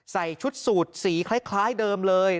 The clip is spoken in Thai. ใส่ชุดสูตรสีคล้ายเดิมเลย